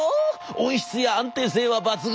音質や安定性は抜群。